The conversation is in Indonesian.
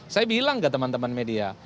saya bilang ke teman teman media